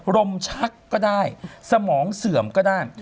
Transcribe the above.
มชักก็ได้สมองเสื่อมก็ได้